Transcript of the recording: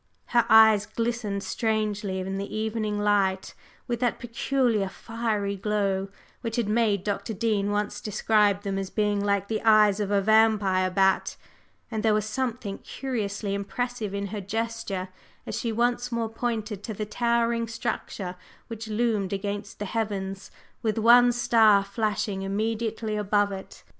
Her eyes glistened strangely in the evening light with that peculiar fiery glow which had made Dr. Dean once describe them as being like the eyes of a vampire bat, and there was something curiously impressive in her gesture as she once more pointed to the towering structure which loomed against the heavens, with one star flashing immediately above it.